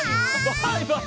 バイバイ！